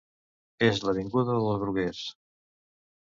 és l'avinguda dels Bruguers